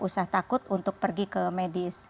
usah takut untuk pergi ke medis